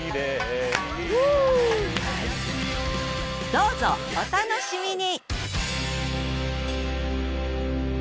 どうぞお楽しみに！